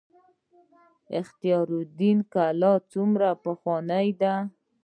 اختیار الدین کلا څومره پخوانۍ ده؟